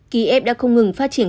kiev đã không ngừng phát triển